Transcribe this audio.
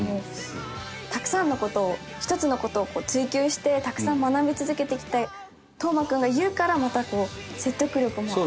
たくさんの事を１つの事を追求してたくさん学び続けてきた登眞君が言うからまたこう説得力もあるし。